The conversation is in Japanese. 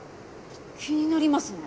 気になりますね。